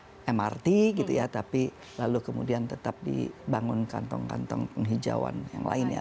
ada mrt gitu ya tapi lalu kemudian tetap dibangun kantong kantong penghijauan yang lain ya